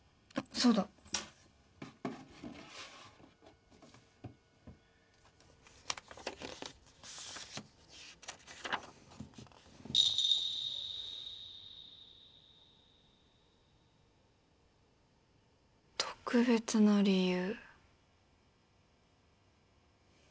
そうだ特別な理由